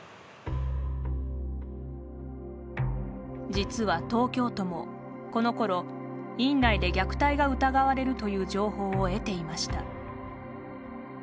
実は東京都も、このころ院内で虐待が疑われるという情報を得ていました。